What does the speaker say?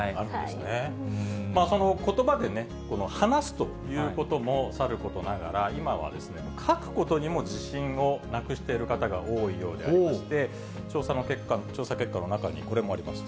そのことばでね、話すということもさることながら、今は書くことにも自信をなくしている方が多いようでありまして、調査結果の中に、これもあります。